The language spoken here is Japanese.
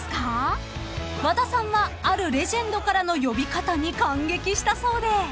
［和田さんはあるレジェンドからの呼び方に感激したそうで］